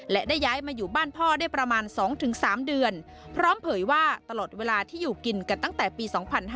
และได้ย้ายมาอยู่บ้านพ่อได้ประมาณ๒๓เดือนพร้อมเผยว่าตลอดเวลาที่อยู่กินกันตั้งแต่ปี๒๕๕๙